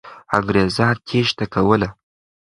انګریزان تېښته کوله.